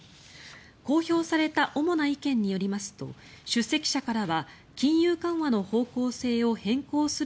公表された主な意見によりますと出席者からは金融緩和の方向性を変更する